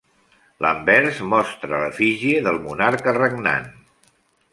L'anvers mostra l'efígie del monarca regnant.